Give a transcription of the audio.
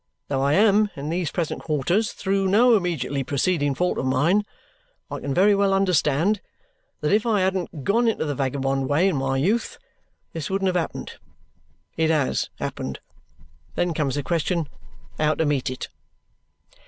Though I am in these present quarters through no immediately preceding fault of mine, I can very well understand that if I hadn't gone into the vagabond way in my youth, this wouldn't have happened. It HAS happened. Then comes the question how to meet it."